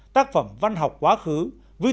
tác phẩm văn học quá khứ với